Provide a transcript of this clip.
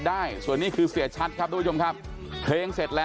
ได้ค่ะหนูทำงานร่วมได้หมดเลยค่ะ